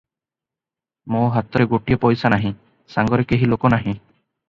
ମୋ ହାତରେ ତ ଗୋଟିଏ ପଇସା ନାହିଁ, ସାଙ୍ଗରେ କେହି ଲୋକ ନାହିଁ ।